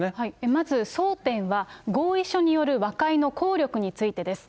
まず争点は、合意書による和解の効力についてです。